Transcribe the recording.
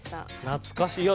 懐かしい。